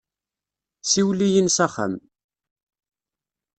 Siwel-iyi-n s axxam.